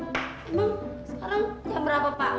memang sekarang jam berapa pak